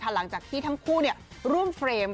หลังจากที่ทั้งคู่ร่วมเฟรม